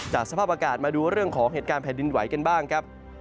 สภาพอากาศมาดูเรื่องของเหตุการณ์แผ่นดินไหวกันบ้างครับ